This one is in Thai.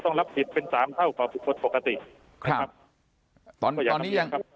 ต้องรับสิทธิเป็นสามเท่ากว่าคนปกติครับตอนนี้ยัง